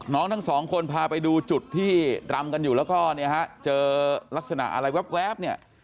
น้องทั้งสองคนพาไปดูจุดที่ล้ำกันอยู่แล้วก็เจอลักษณะอะไรแว๊บ